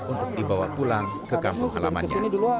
untuk dibawa pulang ke kampung halamannya